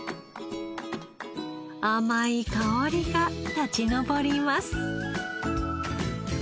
甘い香りが立ち上ります。